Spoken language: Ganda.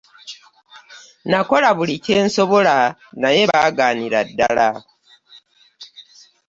Nakola buli kye nsobola naye byagaanira ddala.